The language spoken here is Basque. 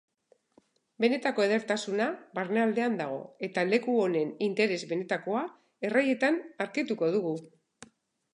Benetako edertasuna barnealdean dago, eta leku honen interes benetakoa erraietan aurkituko dugu.